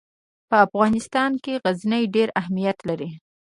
په افغانستان کې غزني ډېر اهمیت لري.